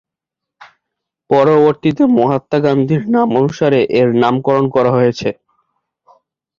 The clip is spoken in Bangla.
পরবর্তীতে মহাত্মা গান্ধীর নামানুসারে এর নামকরণ করা হয়েছে।